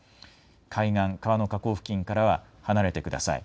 海岸、川の河口付近からは離れてください。